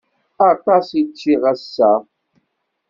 Aṭas i ččiɣ ass-a.